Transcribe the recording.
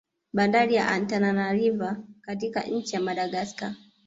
Bandari ya Antananarivo katika nchi ya Madagascar